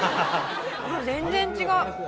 全然違う。